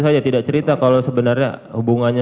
saja tidak cerita kalau sebenarnya hubungannya